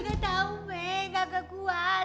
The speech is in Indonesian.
kagak tahu be gak kekuat